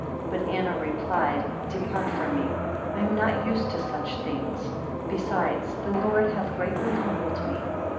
4 But Anna replied, Depart from me, I am not used to such things; besides, the Lord hath greatly humbled me.